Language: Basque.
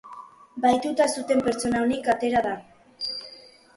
Bahituta zuten pertsona onik atera da.